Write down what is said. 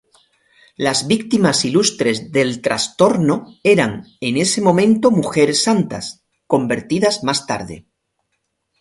Las víctimas ilustres del trastorno eran en ese momento mujeres santas, convertidas más tarde.